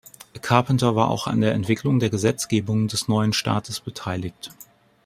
Carpenter war auch an der Entwicklung der Gesetzgebung des neuen Staates beteiligt.